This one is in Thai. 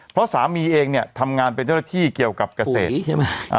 เพราะสามีเองเนี่ยทำงานเป็นเจ้าหน้าที่เกี่ยวกับเกษตรใช่ไหม